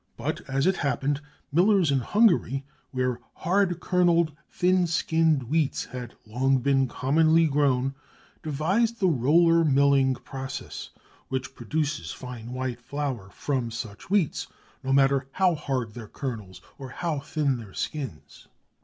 But as it happened millers in Hungary, where hard kernelled, thin skinned wheats had long been commonly grown, devised the roller milling process, which produces fine white flour from such wheats, no matter how hard their kernels or how thin their skins.